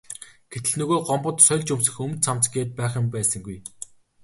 Гэтэл нөгөө Гомбод сольж өмсөх өмд цамц гээд байх юм байсангүй.